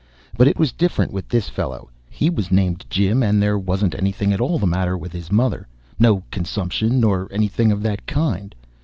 But it was different with this fellow. He was named Jim, and there wasn't anything the matter with his mother no consumption, nor anything of that kind.